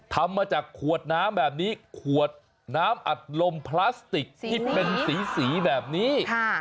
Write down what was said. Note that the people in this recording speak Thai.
ทำมาจากขวดน้ำแบบนี้ขวดน้ำอัดลมพลาสติกที่เป็นสีแบบนี้